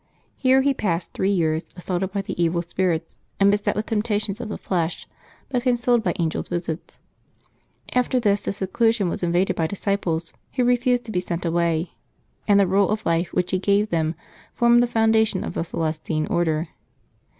Here he passed three years, assaulted by the evil spirits and beset with temptations of the flesh, but consoled by angels' visits. Aft^r this his seclusion was invaded by disciples, who refused to be sent away ; and the rule of life which he gave them formed the foundation of the Celestine Order.